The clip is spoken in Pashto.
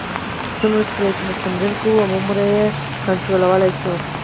څومره چې پرې تمرین کوو، هغومره یې کنټرولولای شو.